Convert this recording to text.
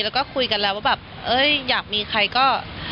แล้วก็คุยกันแล้วว่าแบบเอ้ยอยากมีใครก็